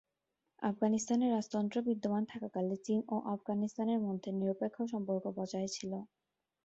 আফগানিস্তানে রাজতন্ত্র বিদ্যমান থাকাকালে চীন ও আফগানিস্তানের মধ্যে নিরপেক্ষ সম্পর্ক বজায় ছিল।